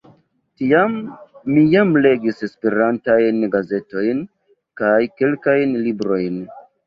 Tiam ni jam legis Esperantajn gazetojn kaj kelkajn librojn.